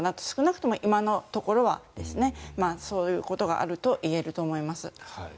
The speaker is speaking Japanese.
少なくとも今のところはですねそういうことがあると言えると思います。